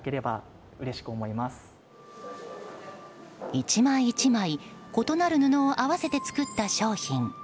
１枚１枚異なる布を合わせて作った商品。